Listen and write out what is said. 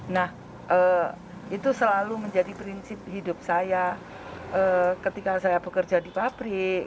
nah itu selalu menjadi prinsip hidup saya ketika saya bekerja di pabrik